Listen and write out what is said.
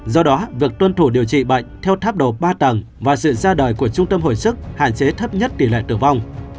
do đó việc tuân thủ điều trị bệnh theo tháp đồ ba tầng và sự ra đời của trung tâm hồi sức hạn chế thấp nhất tỷ lệ tử vong